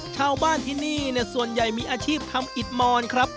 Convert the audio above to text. ชาวบ้านที่นี่ส่วนใหญ่มีอาชีพทำอิดมอนครับ